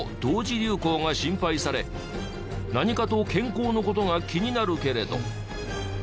流行が心配され何かと健康の事が気になるけれど。